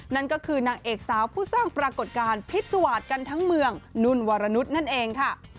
นั่นก็คือนางเอกสาวผู้สร้างปรากฏการณ์พิษวาสกันทั้งเมืองนุ่นวรนุษย์นั่นเองค่ะ